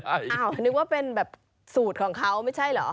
นึกว่าเป็นแบบสูตรของเขาไม่ใช่เหรอ